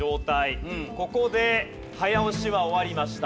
ここで早押しは終わりました。